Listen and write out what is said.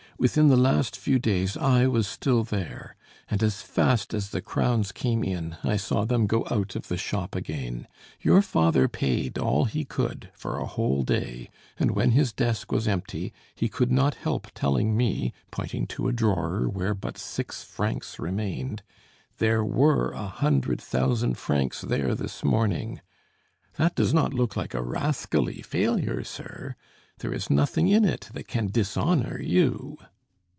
Within the last few days, I was still there, and as fast as the crowns came in, I saw them go out of the shop again. Your father paid all he could, for a whole day, and, when his desk was empty, he could not help telling me, pointing to a drawer where but six francs remained: 'There were a hundred thousand francs there this morning!' That does not look like a rascally failure, sir? There is nothing in it that can dishonor you."